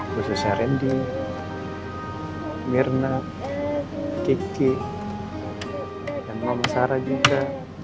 khususnya randy mirna kiki dan mama sarah juga